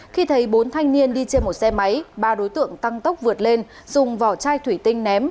khi thấy bốn thanh niên đi trên một xe máy ba đối tượng tăng tốc vượt lên dùng vỏ chai thủy tinh ném